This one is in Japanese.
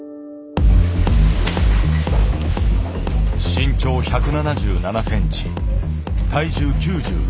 身長１７７センチ体重９６キロ。